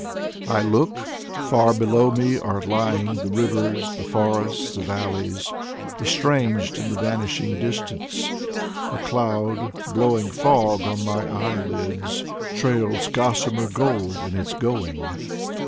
I look — far below me are lying The rivers, the forests, the valleys. Estranged in the vanishing distance. A cloud, blowing fog on my eyelids, Trails gossamer gold in its going.